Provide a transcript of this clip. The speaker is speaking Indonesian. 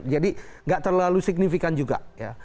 jadi tidak terlalu signifikan juga